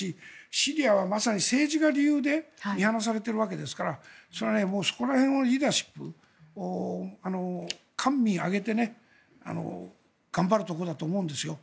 シリアはまさに政治が理由で見放されているわけですからそこら辺はリーダーシップを官民挙げて頑張るところだと思うんです。